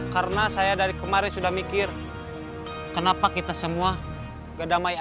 karena saya dari kemarin sudah mikir kenapa kita semua nggak damai aja